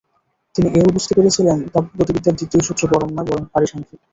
তিনি এও বুঝতে পেরেছিলেন, তাপগতিবিদ্যার দ্বিতীয় সূত্র পরম নয়, বরং পরিসাংখ্যিক।